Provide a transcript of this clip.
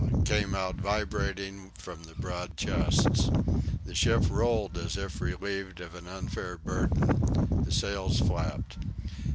came out vibrating from the broad chests. The ship rolled as if relieved of an unfair burden; the sails flapped.